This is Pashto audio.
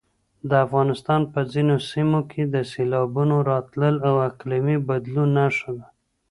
د افغانستان په ځینو سیمو کې د سېلابونو راتلل د اقلیمي بدلون نښه ده.